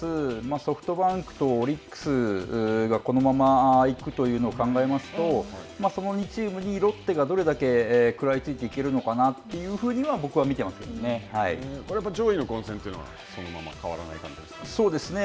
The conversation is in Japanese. ソフトバンクとオリックスがこのまま行くというのを考えますと、その２チームにロッテがどれだけ食らいついていけるのかなというふ上位の混戦というのは、そのまそうですね。